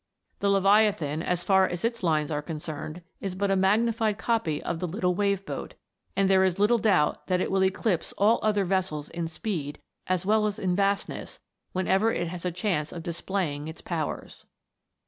The Leviathan, as far as its lines are concerned, is but a magnified copy of the little Wave boat ; and there is little doubt that it will eclipse all other vessels in speed, as well as in vastness, whenever it has a chance of displaying its powers.